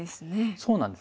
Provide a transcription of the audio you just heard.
そうなんですよ。